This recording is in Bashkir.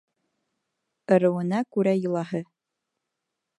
Ырыуына күрә йолаһы